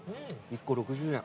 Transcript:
１個６０円。